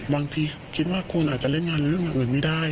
บางทีคิดว่าคุณอาจจะเล่นงานเรื่องอย่างอื่นไม่ได้